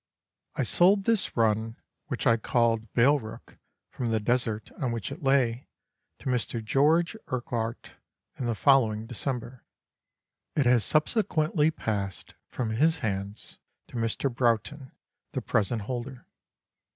I sold this run (which I called " Balerook," from the desert on which it lay) to Mr. George Urquhart in the following December. It has subsequently passed from his hands to Mr. Broughton, the present holder.